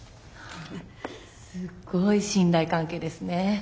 すっごい信頼関係ですね。